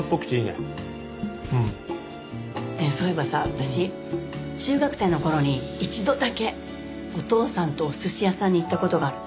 ねえそういえばさ私中学生の頃に一度だけお父さんとお寿司屋さんに行った事がある。